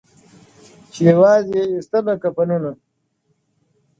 چي یوازي یې ایستله کفنونه!!